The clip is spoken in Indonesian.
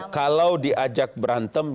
kalau diajak berantem